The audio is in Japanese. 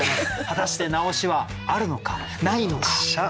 果たして直しはあるのかないのか。